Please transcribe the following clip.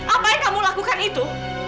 apa yang kamu lakukan itu